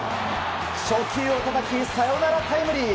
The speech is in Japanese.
初球をたたきサヨナラタイムリー。